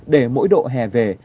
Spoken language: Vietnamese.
để mỗi độ hè về